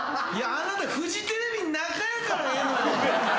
あなたフジテレビん中やからええのよ。